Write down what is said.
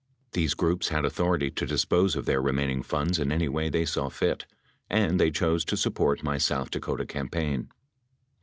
These groups had authority to dispose of their remaining funds in any way they saw fit, and they chose to support my South Dakota campaign.